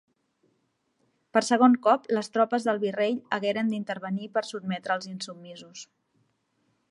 Per segon cop, les tropes del virrei hagueren d'intervenir per sotmetre als insubmisos.